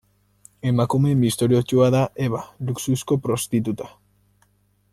Emakume misteriotsua da Eva, luxuzko prostituta.